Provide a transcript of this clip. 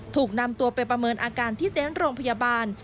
ถูกนำตัวไปประเมินอาการที่เต็นต์โรงพยาบาล